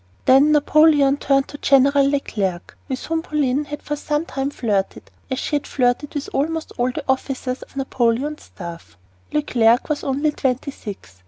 Then Napoleon turned to General Leclerc, with whom Pauline had for some time flirted, as she had flirted with almost all the officers of Napoleon's staff. Leclerc was only twenty six.